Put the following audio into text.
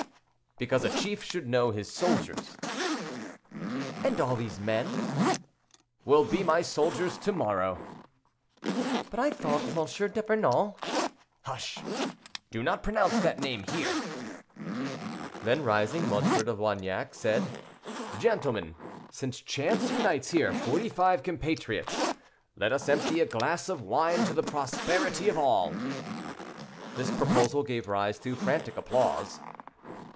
"Because a chief should know his soldiers." "And all these men—" "Will be my soldiers to morrow." "But I thought that M. d'Epernon—" "Hush! do not pronounce that name here." Then rising, M. de Loignac said, "Gentlemen, since chance unites here forty five compatriots, let us empty a glass of wine to the prosperity of all." This proposal gave rise to frantic applause.